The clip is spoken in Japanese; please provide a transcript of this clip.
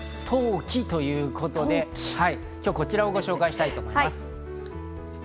とうきということで、今日はこちらをご紹介したいと思います。